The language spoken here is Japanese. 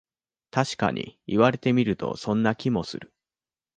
たしかに言われてみると、そんな気もする